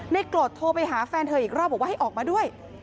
โกรธโทรไปหาแฟนเธออีกรอบบอกว่าให้ออกมาด้วย